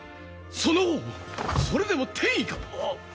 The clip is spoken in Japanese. その方それでも典医か！